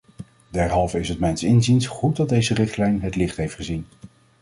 Derhalve is het mijns inziens goed dat deze richtlijn het licht heeft gezien.